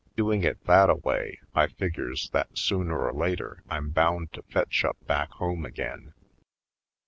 Doing it that a way I figures that sooner or later I'm bound to fetch up back home again.